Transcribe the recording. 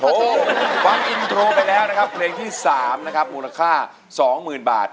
โอ้โหฟังอินโทรไปแล้วนะครับเพลงที่๓นะครับมูลค่า๒๐๐๐บาท